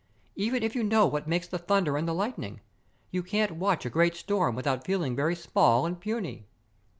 "Even if you know what makes the thunder and the lightning, you can't watch a great storm without feeling very small and puny."